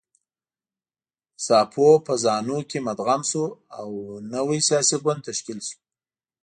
زاپو په زانو کې مدغم شو او نوی سیاسي ګوند تشکیل شو.